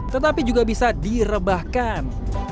tetapi juga bisa direbahkan